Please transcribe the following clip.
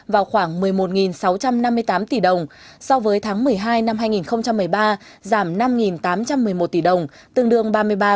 vào khoảng một mươi một sáu trăm năm mươi tám tỷ đồng so với tháng một mươi hai năm hai nghìn một mươi ba giảm năm tám trăm một mươi một tỷ đồng tương đương ba mươi ba